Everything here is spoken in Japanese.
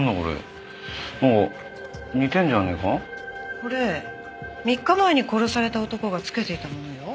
これ３日前に殺された男が着けていたものよ。